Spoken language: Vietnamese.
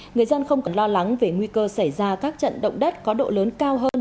người dân không còn lo lắng về nguy cơ xảy ra các trận động đất có độ lớn cao hơn